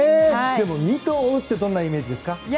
でも、二兎を追うってどんなイメージですか？